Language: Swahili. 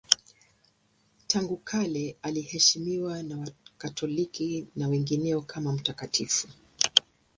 Tangu kale anaheshimiwa na Wakatoliki na wengineo kama mtakatifu.